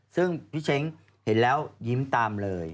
ซึ่งพี่เช้งเห็นแล้วยิ้มตามเลย